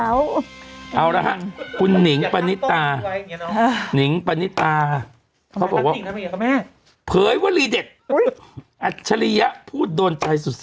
เอาละฮะคุณหนิงปณิตาหนิงปณิตาเขาบอกว่าแม่เผยวลีเด็ดอัจฉริยะพูดโดนใจสุด